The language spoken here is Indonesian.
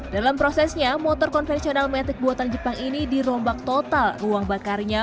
dalam prosesnya motor konvensional metik buatan jepang ini dirombak total uang bakarnya